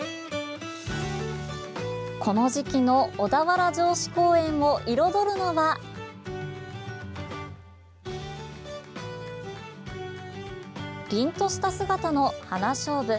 この時期の小田原城址公園を彩るのはりんとした姿の花しょうぶ。